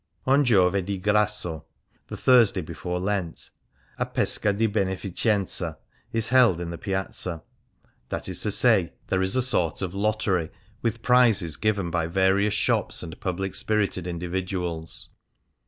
On Giovedi Grasso, the Thursday before Lent, a Pesca di Benejicenza is held in the Piazza — that is to say, there is a sort of lottery with prizes given by various shops and public spirited individuals.